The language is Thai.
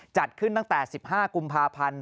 จัดขึ้นตั้งแต่๑๕กุมภาพันธ์